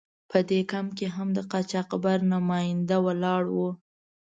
په دې کمپ کې هم د قاچاقبر نماینده ولاړ و.